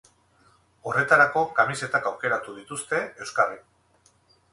Horretarako kamisetak aukeratu dituzte euskarri.